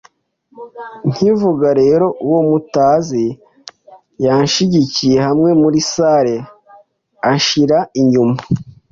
Nkivuga rero, uwo mutazi yanshigikiye hamwe muri salle anshira inyuma